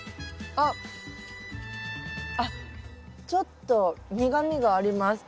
あっちょっと苦みがあります。